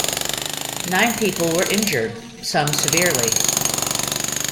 Nine people were injured, some severely.